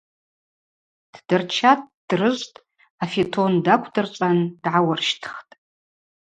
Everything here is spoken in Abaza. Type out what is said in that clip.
Ддырчатӏ, ддрыжвтӏ, афитон даквдырчӏван дгӏауырщтхтӏ.